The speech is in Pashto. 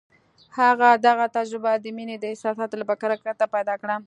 هغه دغه تجربه د مينې د احساساتو له برکته پيدا کړه.